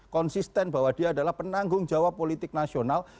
konsisten bahwa dia adalah penanggung jawab politik nasional